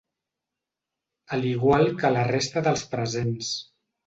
A l'igual que la resta dels presents.